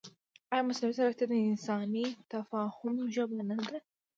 ایا مصنوعي ځیرکتیا د انساني تفاهم ژبه نه ساده کوي؟